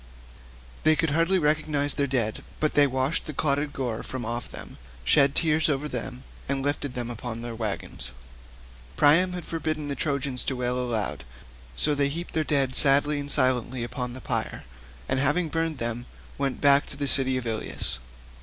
They could hardly recognise their dead, but they washed the clotted gore from off them, shed tears over them, and lifted them upon their waggons. Priam had forbidden the Trojans to wail aloud, so they heaped their dead sadly and silently upon the pyre, and having burned them went back to the city of Ilius.